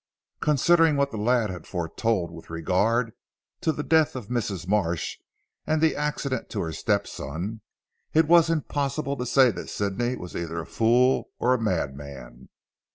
Considering what the lad had foretold with regard to the death of Mrs. Marsh and the accident to her step son, it was impossible to say that Sidney was either a fool or a madman.